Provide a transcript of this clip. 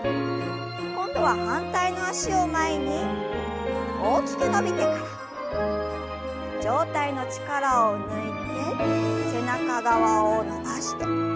今度は反対の脚を前に大きく伸びてから上体の力を抜いて背中側を伸ばして。